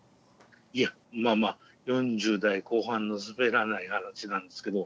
いやまあまあ４０代後半のすべらない話なんですけど。